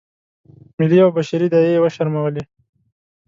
ملي او بشري داعیې یې وشرمولې.